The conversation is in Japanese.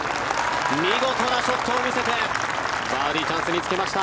見事なショットを見せてバーディーチャンスにつけました。